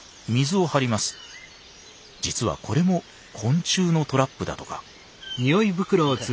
実はこれも昆虫のトラップだとか。